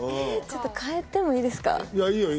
ちょっと変えてもいいですかいいよいいよ